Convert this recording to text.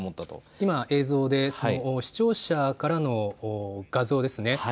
今、映像で視聴者からの画像ですね。